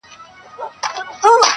o زه مي پر خپلي بې وسۍ باندي تکيه کومه.